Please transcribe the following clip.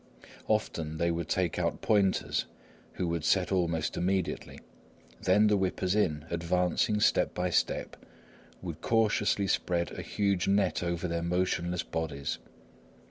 Often they would take out pointers who would set almost immediately; then the whippers in, advancing step by step, would cautiously spread a huge net over their motionless bodies.